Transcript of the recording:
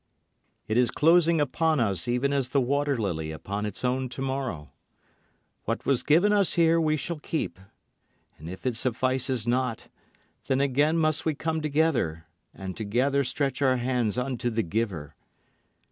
It is closing upon us even as the water lily upon its own tomorrow. What was given us here we shall keep, And if it suffices not, then again must we come together and together stretch our hands unto the giver.